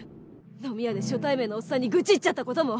飲み屋で初対面のオッサンに愚痴っちゃった事も。